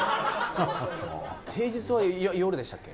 平日は夜でしたっけ？